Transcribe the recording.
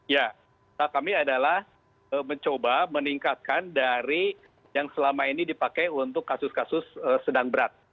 ya kami adalah mencoba meningkatkan dari yang selama ini dipakai untuk kasus kasus sedang berat